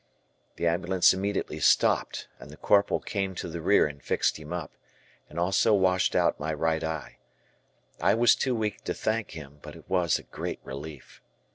The ambulance immediately stopped, and the Corporal came to the rear and fixed him up, and also washed out my right eye. I was too weak to thank him, but it was a great relief.